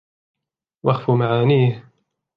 وَأَخْفَوْا مَعَانِيَهُ